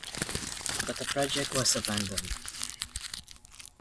But, the project was abandoned.